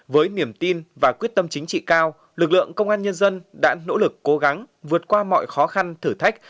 với niềm tin và quyết tâm chính trị cao lực lượng công an nhân dân đã nỗ lực cố gắng vượt qua mọi khó khăn thử thách